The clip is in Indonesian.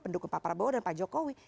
pendukung pak prabowo dan pak jokowi